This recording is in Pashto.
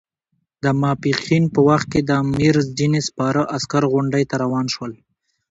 د ماپښین په وخت کې د امیر ځینې سپاره عسکر غونډۍ ته روان شول.